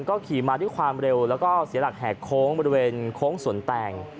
ก็ขี่มาด้วยความเร็วแล้วก็เสียหลักแหกโค้งบริเวณโค้งสวนแตง